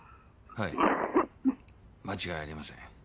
はい間違いありません。